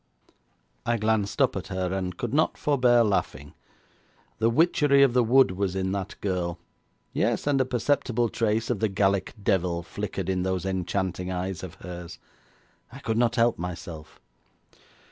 I glanced up at her, and could not forbear laughing. The witchery of the wood was in that girl; yes, and a perceptible trace of the Gallic devil flickered in those enchanting eyes of hers. I could not help myself.